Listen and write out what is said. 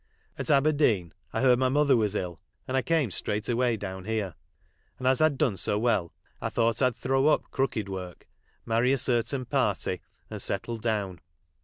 At Aberdeen I heard my mother was ill, and I ^ camo straight away down here ; and as I'd done so well I thought I'd throw up crooked work, marry a certain party, and settle down.